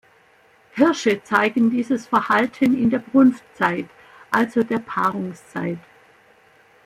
Hirsche zeigen dieses Verhalten in der Brunftzeit, also der Paarungszeit.